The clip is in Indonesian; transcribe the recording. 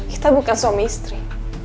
kita bukan suami istri